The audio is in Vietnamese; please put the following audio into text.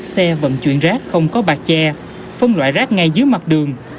xe vận chuyển rác không có bạc tre phân loại rác ngay dưới mặt đường